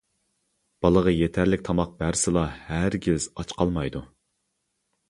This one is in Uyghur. بالىغا يېتەرلىك تاماق بەرسىلا ھەرگىز ئاچ قالمايدۇ.